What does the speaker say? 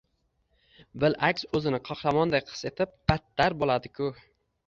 Bil`aks, o`zini qahramondek his etib, battar bo`ladi-ku